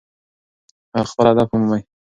خپل هدف ومومئ.